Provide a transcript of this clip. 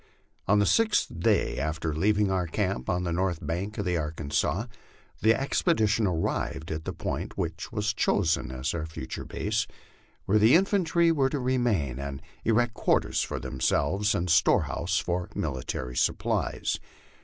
On the sixth day after leaving our camp on the north bank of the Arkansas the expedition arrived at the point which was chosen as our future base, where the infantry were to remain and erect quarters for themselves and storehouses for the military supplies.